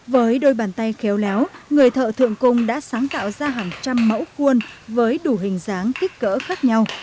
với đôi bàn tay khéo léo người thợ thượng cung đã sáng tạo ra hàng trăm mẫu khuôn với đủ hình dáng kích cỡ khác nhau